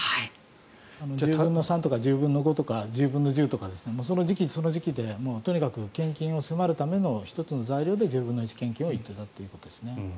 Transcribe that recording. １０分の１０とか１０分の５とか１０分の３とかその時期その時期でとにかく献金を迫るための１つの材料で１０分の１献金を言っていたと。